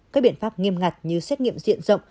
các biện pháp nghiêm ngặt như xét nghiệm diện rộng